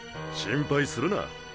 心配するな。